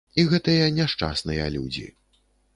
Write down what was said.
І гэтыя няшчасныя людзі.